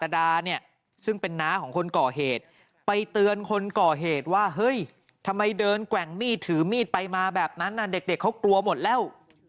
ดังนั้นนะเด็กเขากลัวหมดแล้ว